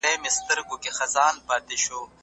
د وخت سم مدیریت د بریالیتوب راز دی.